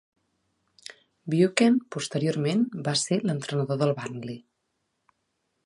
Buchan posteriorment va ser l'entrenador del Burnley.